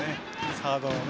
サードのね。